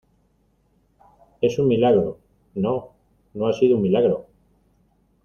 es un milagro. no, no ha sido un milagro